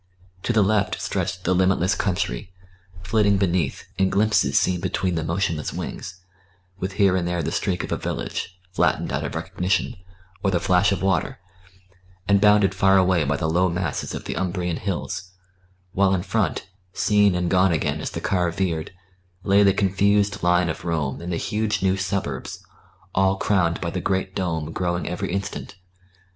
To the left stretched the limitless country, flitting beneath, in glimpses seen between the motionless wings, with here and there the streak of a village, flattened out of recognition, or the flash of water, and bounded far away by the low masses of the Umbrian hills; while in front, seen and gone again as the car veered, lay the confused line of Rome and the huge new suburbs, all crowned by the great dome growing every instant.